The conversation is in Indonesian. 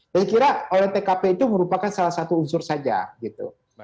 saya kira oleh tkp itu merupakan salah satu unsur saja gitu